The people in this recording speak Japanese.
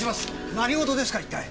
何事ですか一体？